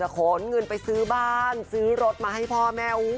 ขนเงินไปซื้อบ้านซื้อรถมาให้พ่อแม่